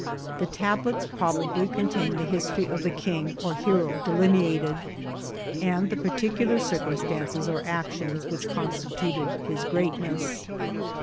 The tablets probably contain the history of the king or hero delineated, and the particu lar circumstances or actions which constituted his great* ness.